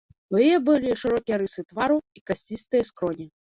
У яе былі шырокія рысы твару і касцістыя скроні.